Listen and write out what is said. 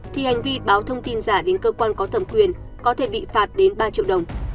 thì hành vi báo thông tin giả đến cơ quan có thẩm quyền có thể bị phạt đến ba triệu đồng